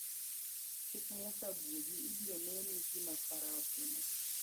Kik Musa buogi ibiri neni gima farao timo.